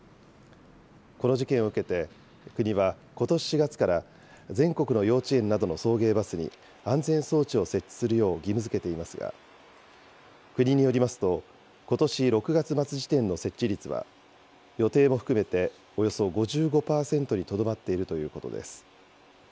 この事件を受けて、国はことし４月から、全国の幼稚園などの送迎バスに安全装置を設置するよう義務づけていますが、国によりますと、ことし６月末時点の設置率は、予定も含めておよそ５５％にとどまっているということです。